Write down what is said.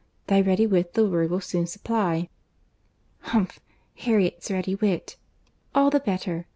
Thy ready wit the word will soon supply. Humph—Harriet's ready wit! All the better.